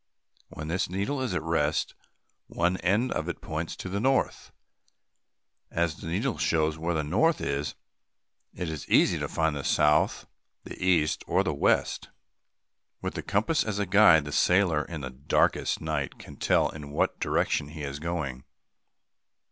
When this needle is at rest, one end of it points to the north. [Illustration: A COMPASS.] As the needle shows where the north is; it is easy to find the south, the east, or the west. With the compass as a guide, the sailor, in the darkest night, can tell in what direction he is going.